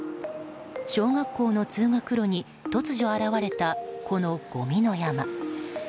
小学校の通学路に突如現れたこのごみの山。